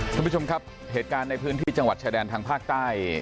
ท่านผู้ชมครับเหตุการณ์ในพื้นที่จังหวัดชายแดนทางภาคใต้